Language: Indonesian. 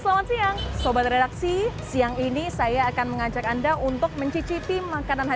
selamat siang sobat redaksi siang ini saya akan mengajak anda untuk mencicipi makanan